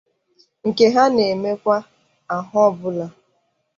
nke ha na-eme kwà ahọ ọbụla.